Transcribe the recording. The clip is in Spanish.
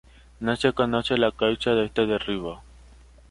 No se conoce la causa de este derribo.